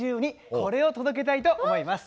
これを届けたいと思います。